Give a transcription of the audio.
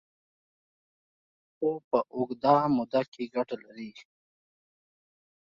خو په اوږده موده کې ګټه لري.